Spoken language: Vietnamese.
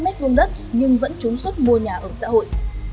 ba trăm linh m hai nhưng vẫn chúng suất mua nhà ở xã hội